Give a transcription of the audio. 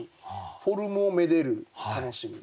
フォルムをめでる楽しみ。